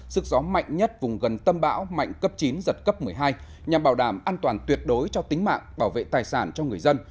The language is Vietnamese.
sức gió mạnh nhất vùng gần tâm bão mạnh cấp chín giật cấp một mươi hai nhằm bảo đảm an toàn tuyệt đối cho tính mạng bảo vệ tài sản cho người dân